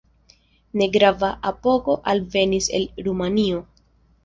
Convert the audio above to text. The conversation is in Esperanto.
Negrava apogo alvenis el Rumanio.